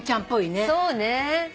そうね。